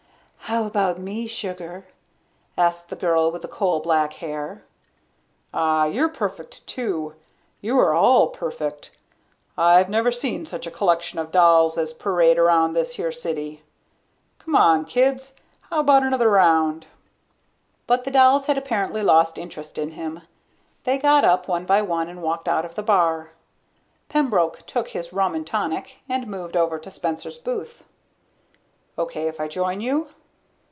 "How 'bout me, sugar," asked the girl with the coal black hair. "Ah, you're perfect, too. You are all perfect. I've never seen such a collection of dolls as parade around this here city. C'mon, kids how 'bout another round?" But the dolls had apparently lost interest in him. They got up one by one and walked out of the bar. Pembroke took his rum and tonic and moved over to Spencer's booth. "Okay if I join you?"